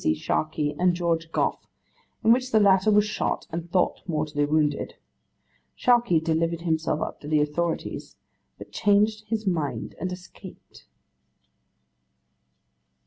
C. Sharkey and George Goff, in which the latter was shot, and thought mortally wounded. Sharkey delivered himself up to the authorities, but changed his mind and escaped!